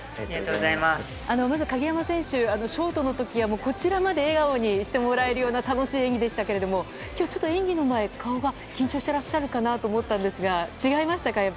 まず鍵山選手、ショートの時はこちらまで笑顔にしてもらえるような楽しい演技でしたけど今日はちょっと演技の前顔が緊張してらっしゃるかなと思ったんですが違いましたか？